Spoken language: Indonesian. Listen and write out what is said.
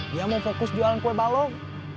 dia mau fokus jualan kue balok